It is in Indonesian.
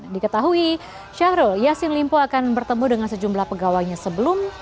diketahui syahrul yassin limpo akan bertemu dengan sejumlah pegawainya sebelum